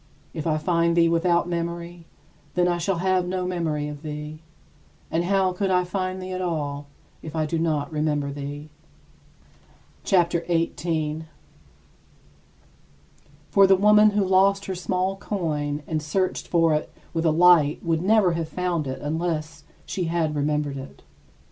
If I find thee without memory, then I shall have no memory of thee; and how could I find thee at all, if I do not remember thee? CHAPTER XVIII 27. For the woman who lost her small coin and searched for it with a light would never have found it unless she had remembered it.